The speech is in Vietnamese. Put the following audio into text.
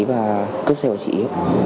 và cướp xe của chị ý